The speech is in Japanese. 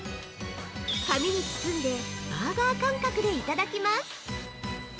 紙に包んで、バーガー感覚でいただきます。